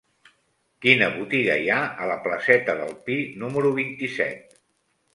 Quina botiga hi ha a la placeta del Pi número vint-i-set?